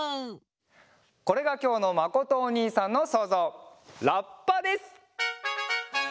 これがきょうのまことおにいさんのそうぞう「ラッパ」です！